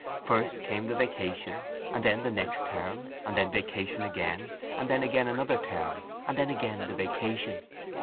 First came the vacation and then the next term and then vacation again and then again another term and then again the vacation.